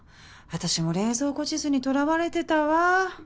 私も冷蔵庫地図にとらわれてたわ。